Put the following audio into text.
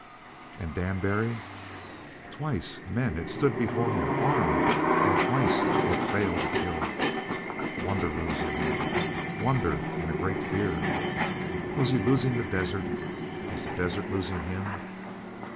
And Dan Barry? Twice men had stood before him, armed, and twice he had failed to kill. Wonder rose in him; wonder and a great fear. Was he losing the desert, and was the desert losing him?